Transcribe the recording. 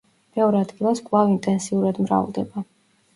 ბევრ ადგილას კვლავ ინტენსიურად მრავლდება.